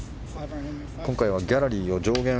今回はギャラリーを上限